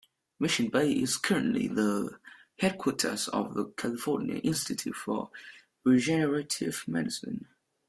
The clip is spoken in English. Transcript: Mission Bay is currently the headquarters of the California Institute for Regenerative Medicine.